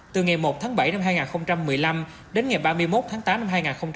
từ ngày một tháng bảy năm hai nghìn một mươi năm đến ngày ba mươi một tháng tám năm hai nghìn hai mươi